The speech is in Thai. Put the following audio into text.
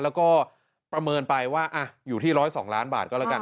แล้วก็ประเมินไปว่าอยู่ที่๑๐๒ล้านบาทก็แล้วกัน